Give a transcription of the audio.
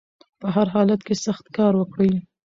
په هر حالت کې سخت کار وکړئ